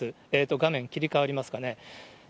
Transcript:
画面、切り替わりますかね。